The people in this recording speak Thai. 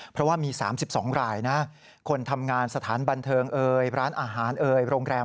เพราะว่ามี๓๒รายนะคนทำงานสถานบันเทิงเอ่ยร้านอาหารเอ่ยโรงแรม